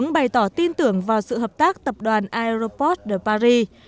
để tỏ tin tưởng vào sự hợp tác tập đoàn aroport de paris